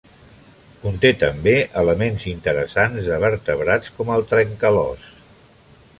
Conté també elements interessants de vertebrats, com el trencalòs.